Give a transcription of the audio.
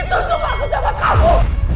itu sumpah bersama kamu